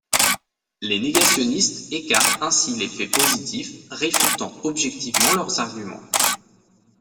Les négationnistes écartent ainsi les faits positifs réfutant objectivement leurs arguments.